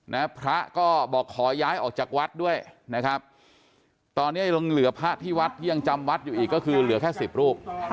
นะพระก็บอกขอย้ายออกจากวัดด้วยนะครับตอนนี้ยังเหลือพระที่วัดที่ยังจำวัดอยู่อีกก็คือเหลือแค่สิบรูป